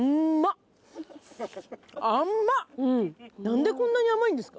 何でこんなに甘いんですか？